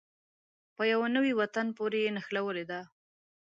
په يوه نوي وطن پورې یې نښلولې دي.